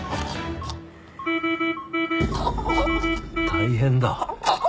大変だ。